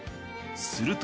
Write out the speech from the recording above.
すると。